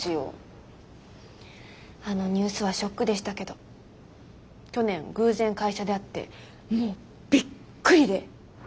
あのニュースはショックでしたけど去年偶然会社で会ってもうビックリで。